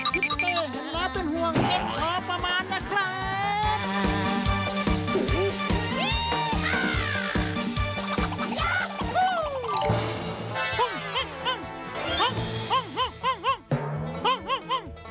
ทิศเป้เห็นแล้วเป็นห่วงเย็นพอประมาณนะครับ